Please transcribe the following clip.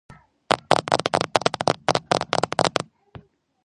ბოსფორს ორი ხიდი ჰკვეთს.